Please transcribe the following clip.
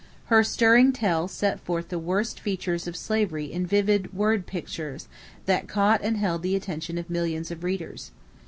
Her stirring tale set forth the worst features of slavery in vivid word pictures that caught and held the attention of millions of readers.